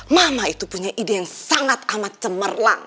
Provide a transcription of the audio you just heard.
mama itu punya ide yang sangat amat cemerlang